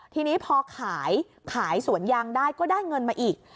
ทีนี้พอขายขายสวนยางได้ก็ได้เงินมาอีก